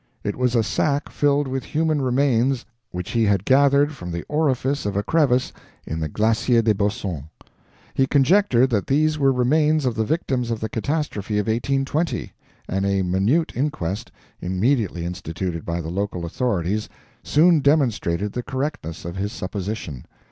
It was a sack filled with human remains which he had gathered from the orifice of a crevice in the Glacier des Bossons. He conjectured that these were remains of the victims of the catastrophe of 1820, and a minute inquest, immediately instituted by the local authorities, soon demonstrated the correctness of his supposition.